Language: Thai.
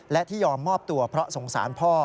และที่ยอมมอบตัวเพราะสงสารพ่อ